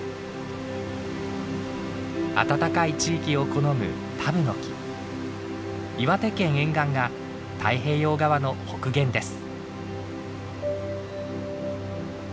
暖かい地域を好む岩手県沿岸が太平洋側の北限です。